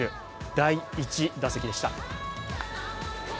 第１打席でした。